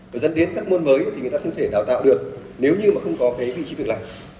và dẫn đến các môn mới thì người ta không thể đào tạo được nếu như mà không có cái vị trí việc làm